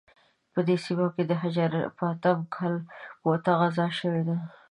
په دې سیمه کې د هجرت په اتم کال موته غزا شوې ده.